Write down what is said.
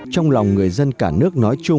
trong lòng người dân cả nước nói chuyện